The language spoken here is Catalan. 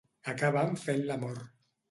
Acaben fent l'amor.